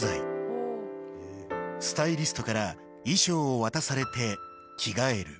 スタイリストから衣装を渡されて着替える